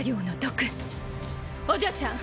お嬢ちゃん